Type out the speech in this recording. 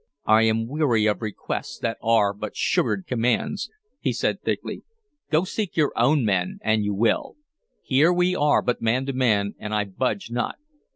"I am weary of requests that are but sugared commands," he said thickly. "Go seek your own men, an you will. Here we are but man to man, and I budge not.